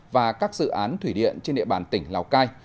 và các dự án thủy điện trên địa bàn tỉnh lào cai